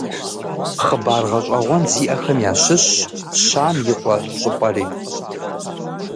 Хъыбар гъэщӀэгъуэн зиӀэхэм ящыщщ «Щам и къуэ» щӀыпӀэри.